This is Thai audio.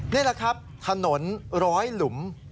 นี่แหละครับถนนร้อยหลุม